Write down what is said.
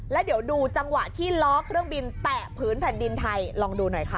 แล้วเดี๋ยวดูจังหวะที่ล้อเครื่องบินแตะพื้นแผ่นดินไทยลองดูหน่อยค่ะ